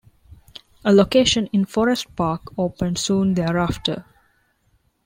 A location in Forest Park opened soon thereafter.